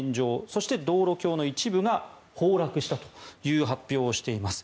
そして、道路橋の一部が崩落したという発表をしています。